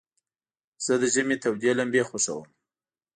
زه د ژمي تودي لمبي خوښوم.